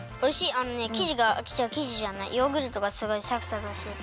あのねきじがきじじゃないヨーグルトがすごいサクサクしてて。